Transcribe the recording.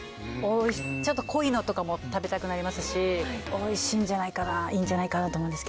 ちょっと濃いのとかも食べたくなりますし美味しいんじゃないかないいんじゃないかなと思う。